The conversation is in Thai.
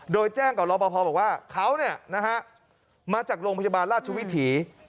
โดยแจ้งกับรอปภบอกว่าเขามาจากโรงพยาบาลราชวิถี